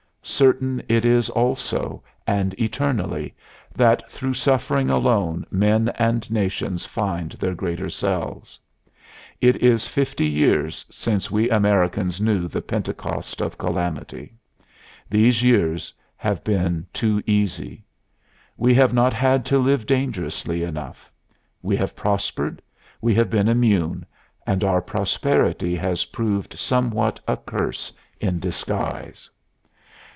Certain it is also, and eternally, that through suffering alone men and nations find their greater selves. It is fifty years since we Americans knew the Pentecost of Calamity. These years have been too easy. We have not had to live dangerously enough. We have prospered, we have been immune, and our prosperity has proved somewhat a curse in disguise.